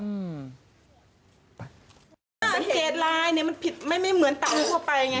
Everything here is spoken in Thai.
ถ้าสังเกตลายเนี่ยมันไม่เหมือนเต่าทั่วไปไง